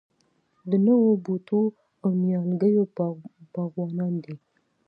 د نوو بوټو او نیالګیو باغوانان دي.